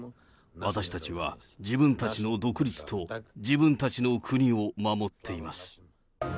私たちは自分たちの独立と、自分たちの国を守っています。